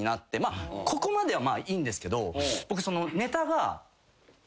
ここまではいいんですけど僕ネタが。